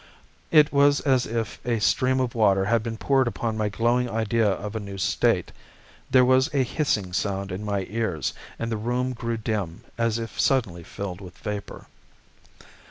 It was as if a stream of water had been poured upon my glowing idea of a new State. There was a hissing sound in my ears, and the room grew dim, as if suddenly filled with vapour.